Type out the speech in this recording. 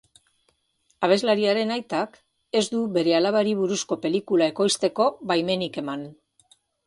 Abeslariaren aitak ez du bere alabari buruzko pelikula ekoizteko baimenik eman.